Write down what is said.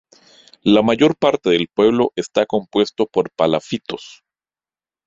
La mayor parte del pueblo está compuesto por palafitos.